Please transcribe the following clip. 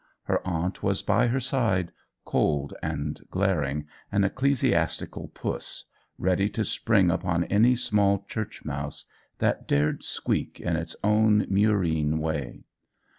Her aunt was by her side, cold and glaring, an ecclesiastical puss, ready to spring upon any small church mouse that dared squeak in its own murine way.